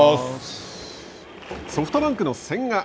ソフトバンクの千賀。